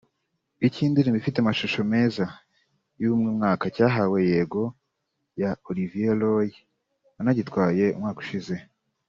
Icy’indirimbo ifite amashusho meza y’umwaka cyahawe ‘Yego’ ya Olivier Roy wanagitwaye umwaka ushize